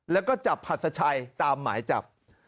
แล้วก็จับผัดสชัยตามหมายจับ